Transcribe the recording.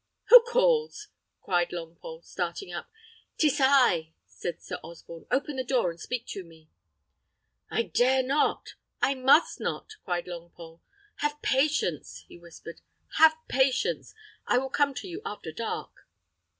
"Who calls?" cried Longpole, starting up. "'Tis I," said Sir Osborne; "open the door, and speak to me." "I dare not! I must not!" cried Longpole. "Have patience!" he whispered, "have patience! I will come to you after dark."